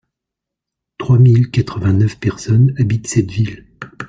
Trois mille quatre-vingt-neuf personnes habitent cette ville.